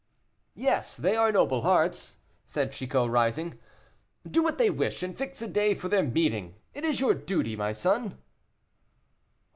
"Yes, they are noble hearts," said Chicot, rising; "do what they wish, and fix a day for their meeting. It is your duty, my son."